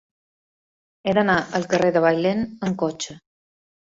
He d'anar al carrer de Bailèn amb cotxe.